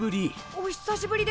お久しぶりです。